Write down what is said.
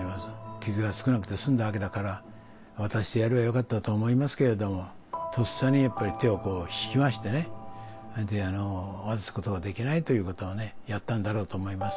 傷が少なくて済んだわけだから、渡してやればよかったと思いますけれども、とっさにやっぱり手をこう、引きましてね、それで、渡すことはできないということをね、やったんだろうと思います。